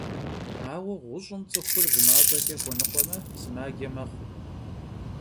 Aue ğuş'ım ts'ıxur zı maş'eç'e xuenıkhueme, sımace mexhu.